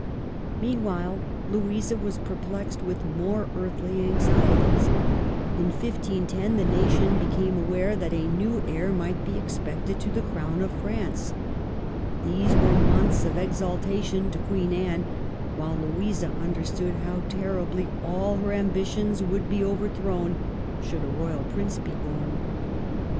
Meanwhile Louisa was perplexed with more earthly anxieties. In 15 10 the nation became aware that a new heir might be expected to the Crown of France. These were months of exul tation to Queen Anne, while Louisa understood how terribly all her ambitions would be over thrown should a royal prince be born.